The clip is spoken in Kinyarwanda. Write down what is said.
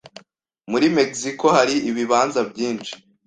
Muri Mexico hari ibibanza byinshi.